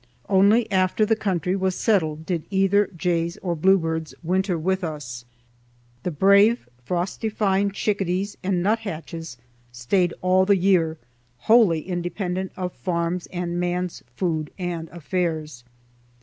Only after the country was settled did either jays or bluebirds winter with us. The brave, frost defying chickadees and nuthatches stayed all the year wholly independent of farms and man's food and affairs.